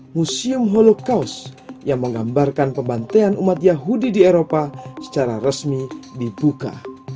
museum holocaust yang menggambarkan pembantaian umat yahudi di eropa secara resmi dibuka